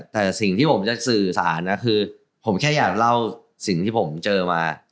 แต่สิ่งที่ผมจะสื่อสารนะคือผมแค่อยากเล่าสิ่งที่ผมเจอมา